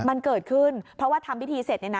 มันเกิดขึ้นเพราะว่าทำพิธีเสร็จ